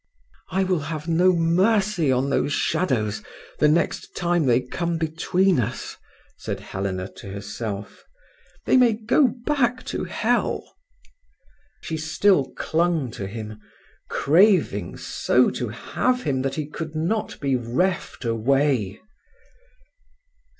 "I will have no mercy on those shadows the next time they come between us," said Helena to herself. "They may go back to hell." She still clung to him, craving so to have him that he could not be reft away.